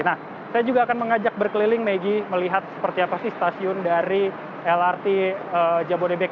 nah saya juga akan mengajak berkeliling maggie melihat seperti apa sih stasiun dari lrt jabodebek